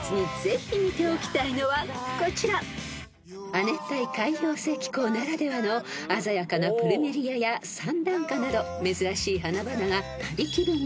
［亜熱帯海洋性気候ならではの鮮やかなプルメリアやサンダンカなど珍しい花々が旅気分を盛り上げます］